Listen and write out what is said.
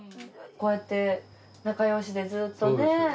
こうやって仲よしでずっとね。